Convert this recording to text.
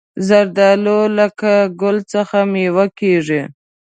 زردالو له ګل څخه مېوه کېږي.